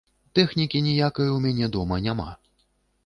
Тэхнікі ніякай у мяне дома няма.